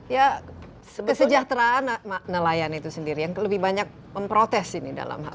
ya kesejahteraan nelayan itu sendiri yang lebih banyak memprotes ini dalam hal ini